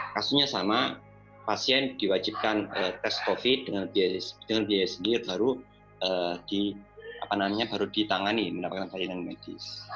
kasusnya sama pasien diwajibkan tes covid dengan biaya sendiri baru ditangani mendapatkan layanan medis